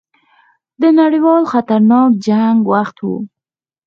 د نړیوال خطرناک جنګ وخت وو.